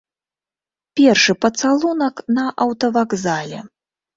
Першы пацалунак на аўтавакзале.